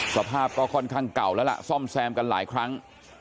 สภาพก็ค่อนข้างเก่าแล้วล่ะซ่อมแซมกันหลายครั้ง